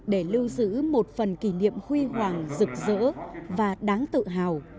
để lưu giữ một phần kỷ niệm huy hoàng rực rỡ và đáng tự hào